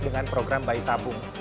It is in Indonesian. dengan program bayi tabung